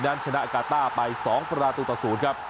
นั้นชนะกาต้าไปสองประตูต่อศูนย์ครับ